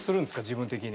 自分的に。